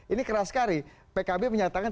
ini keras sekali pkb menyatakan